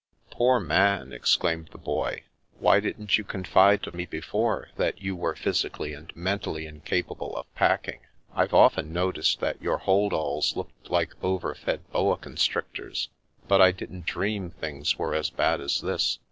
" Poor Man 1 '' exclaimed the Boy. " Why didn't you confide to me before, that you were physically and mentally incapable of packing? I've often noticed that your hold alls looked like overfed boa constrictors, but I didn't dream things were as bad as this.